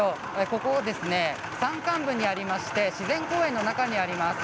ここは山間部にありまして自然公園の中にあります。